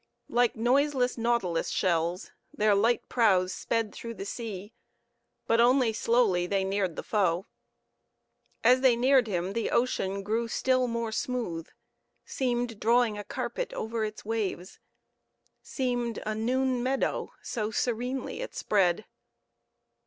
Like noiseless nautilus shells, their light prows sped through the sea; but only slowly they neared the foe. As they neared him, the ocean grew still more smooth; seemed drawing a carpet over its waves; seemed a noon meadow, so serenely it spread.